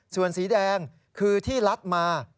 ส่วนสีแดงคือที่ลัดมา